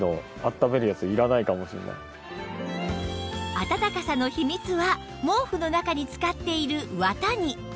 暖かさの秘密は毛布の中に使っている綿に